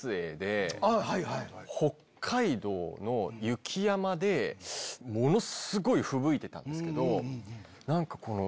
北海道の雪山でものすごいふぶいてたんですけど。